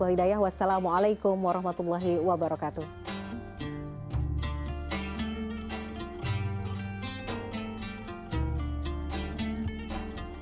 waalaikumsalamualaikum warahmatullahi wabarakatuh